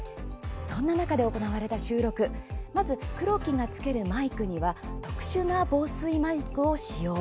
そんな中で行われた収録まず黒木がつけるマイクには特殊な防水マイクを使用。